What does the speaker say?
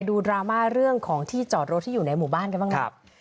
ดราม่าเรื่องของที่จอดรถที่อยู่ในหมู่บ้านกันบ้างนะครับ